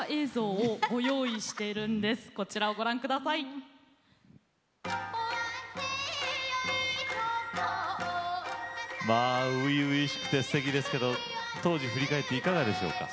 尾鷲よいとこまあ初々しくてすてきですけど当時振り返っていかがでしょうか？